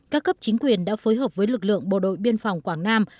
các cấp chính quyền đã phối hợp với lực lượng bộ đội biên phòng quảng nam